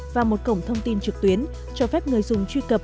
và một cổng thông tin trực tuyến cho phép người dùng truy cập